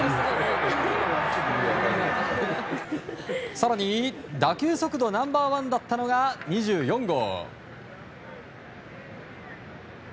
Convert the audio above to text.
更に、打球速度ナンバー１だったのが２４号。